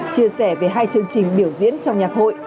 chia sẻ về hai chương trình biểu diễn trong nhạc hội